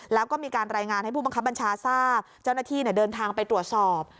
แล้วก็มีการรายงานให้ผู้บังคับบัญชาทราบเจ้าหน้าที่เดินทางไปตรวจสอบ